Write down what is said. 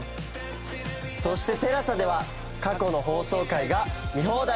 そしてＴＥＬＡＳＡでは過去の放送回が見放題です！